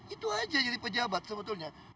itu aja jadi pejabat sebetulnya